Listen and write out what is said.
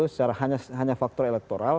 secara hanya faktor elektoral